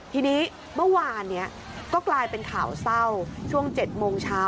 ทีนี้เมื่อวานนี้ก็กลายเป็นข่าวเศร้าช่วง๗โมงเช้า